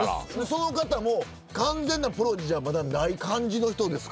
その方も完全なプロじゃまだない感じの人ですから。